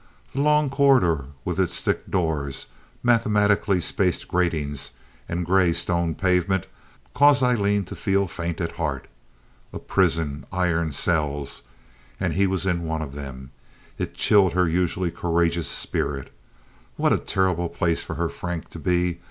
The long corridor, with its thick doors, mathematically spaced gratings and gray stone pavement, caused Aileen to feel faint at heart. A prison, iron cells! And he was in one of them. It chilled her usually courageous spirit. What a terrible place for her Frank to be!